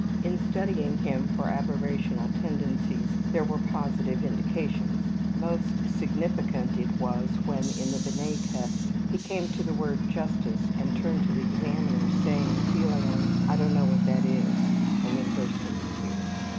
In studying him for aberrational tendencies there were positive indications. Most significant it was when, in the Binet tests, he came to the word ``justice'' and turned to the examiner, saying feelingly, ``I don't know what that is,'' and then burst into tears.